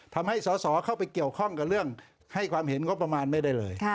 ทำให้สอสอเข้าไปเกี่ยวข้องกับเรื่องให้ความเห็นงบประมาณไม่ได้เลย